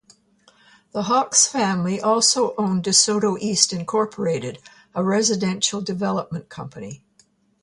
The Hawks family also owned DeSoto East, Incorporated, a residential development company.